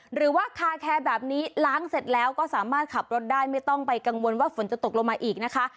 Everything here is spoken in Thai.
หรือว่าคาแคร์แบบนี้ล้างเสร็จแล้วก็สามารถขับรถได้ไม่ต้องไปกังวลว่าฝนจะตกลงมาอีกนะคะ